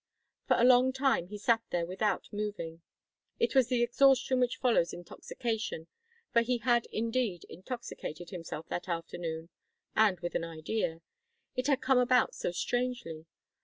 For a long time he sat there without moving. It was the exhaustion which follows intoxication, for he had indeed intoxicated himself that afternoon, and with an idea. It had come about so strangely.